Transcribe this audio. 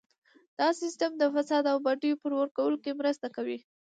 دا سیستم د فساد او بډو په ورکولو کې مرسته کوي.